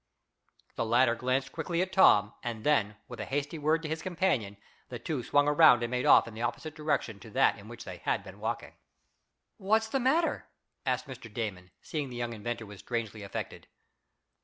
The latter glanced quickly at Tom, and then, with a hasty word to his companion, the two swung around and made off in the opposite direction to that in which they had been walking. "What's the matter?" asked Mr. Damon, seeing the young inventor was strangely affected.